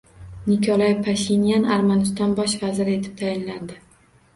Nikol Pashinyan Armaniston bosh vaziri etib tayinlandi